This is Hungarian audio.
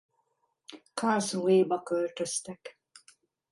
Karlsruhéba költöztek.